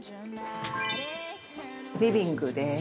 リビングです。